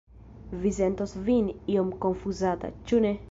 Vi sentos vin iom konfuzata, ĉu ne?